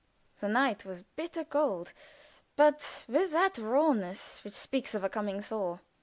The night was bitter cold, but cold with that rawness which speaks of a coming thaw.